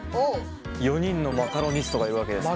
４人のマカロニストがいるわけですか。